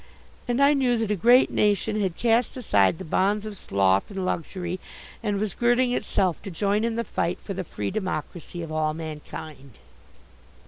And I knew that a great nation had cast aside the bonds of sloth and luxury, and was girding itself to join in the fight for the free democracy of all mankind.